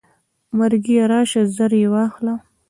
مرګیه راشه زر یې واخله.